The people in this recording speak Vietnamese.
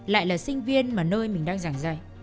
lại là sinh viên mà nơi mình đang giảng dạy